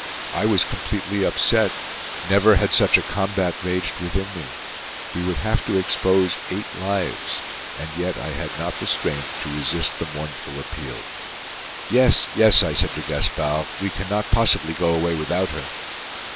I was completely upset. Never had such a combat raged within me. We would have to expose eight lives. And yet I had not the strength to resist the mournful appeal. "Yes, yes," I said to Gaspard. "We can not possibly go away without her!"